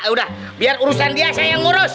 udah biar urusan dia saya yang ngurus